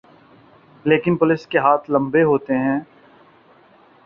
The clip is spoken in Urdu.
لیکن پولیس کے ہاتھ لمبے ہوتے ہیں۔